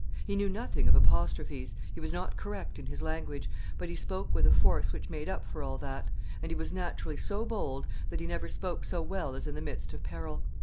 He knew nothing of apostrophes, he was not correct in his language, but he spoke with a force which made up for all that, and he was naturally so bold that he never spoke so well as in the midst of peril.